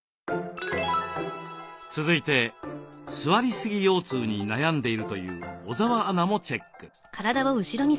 続いて「座りすぎ腰痛」に悩んでいるという小澤アナもチェック。